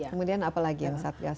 kemudian apa lagi yang satgas